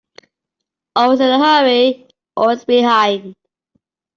Always in a hurry, always behind.